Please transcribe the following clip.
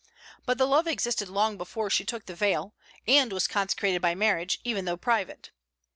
But the love existed long before she took the veil, and was consecrated by marriage, even though private.